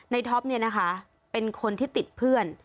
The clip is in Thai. ในท็อปเป็นคนที่ติดเพื่อน